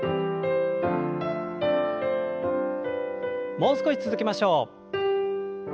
もう少し続けましょう。